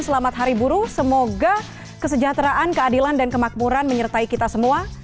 selamat hari buruh semoga kesejahteraan keadilan dan kemakmuran menyertai kita semua